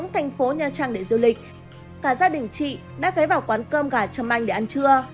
thành phố nha trang để du lịch cả gia đình chị đã ghé vào quán cơm gà châm anh để ăn trưa